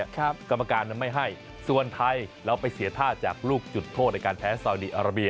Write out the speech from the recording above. กรรมการนั้นไม่ให้ส่วนไทยเราไปเสียท่าจากลูกจุดโทษในการแพ้ซาวดีอาราเบีย